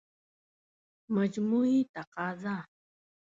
مجموعي تقاضا